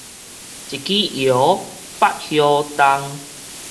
一枝搖，百葉動